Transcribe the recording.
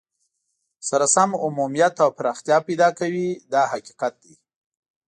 سره سم عمومیت او پراختیا پیدا کوي دا حقیقت دی.